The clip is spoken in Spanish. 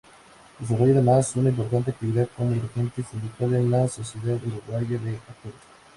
Desarrolla además, una importante actividad como dirigente sindical en la Sociedad Uruguaya de Actores.